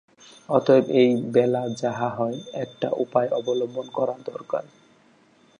অতএব এই বেলা যাহা-হয় একটা উপায় অবলম্বন করা দরকার।